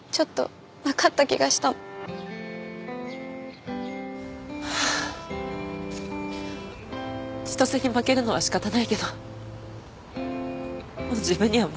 千歳に負けるのは仕方ないけどもう自分には負けたくない。